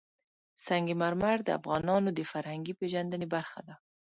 سنگ مرمر د افغانانو د فرهنګي پیژندنې برخه ده.